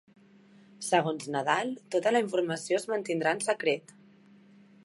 Segons Nadal, tota la informació es mantindrà en secret.